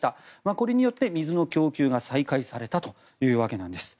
これによって水の供給が再開されたわけです。